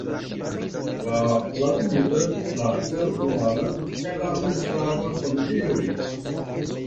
la latinida, la ĝermana kaj la slava familioj.